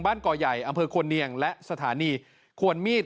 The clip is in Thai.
ก่อใหญ่อำเภอควรเนียงและสถานีควรมีด